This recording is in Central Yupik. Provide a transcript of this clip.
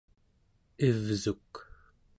ivsuk